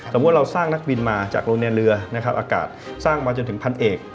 สมมุติเราสร้างนักบินมาจากโรงเรียนเรือนะครับอากาศสร้างมาจนถึงพันเอก